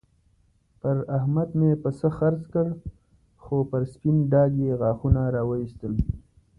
پر احمد مې پسه خرڅ کړ؛ خو پر سپين ډاګ يې غاښونه را واېستل.